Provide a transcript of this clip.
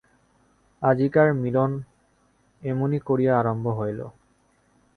আজিকার মিলন এমনি করিয়া আরম্ভ হইল।